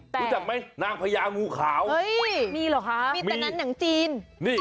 รู้จักไหมนางพญางูขาวมีแต่หนังจีน